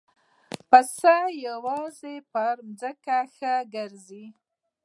پسه یوازې په ځمکه ښه ګرځي.